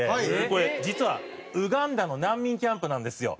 これ実はウガンダの難民キャンプなんですよ。